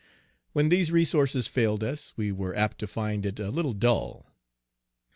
When these resources failed us, we were apt to find it a little dull.